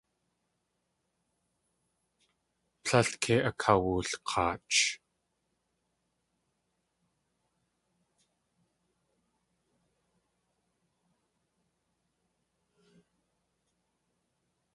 Tlél kei akawulk̲aach.